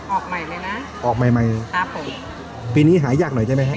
ออกใหม่เลยนะออกใหม่ใหม่ครับผมปีนี้หายากหน่อยใช่ไหมครับ